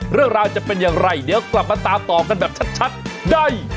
เรื่องราวจะเป็นอย่างไรเดี๋ยวกลับมาตามต่อกันแบบชัดได้